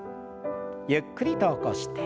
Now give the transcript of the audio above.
ゆっくりと起こして。